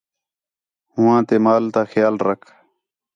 ہو ہاں تے مال تا خیال رکھ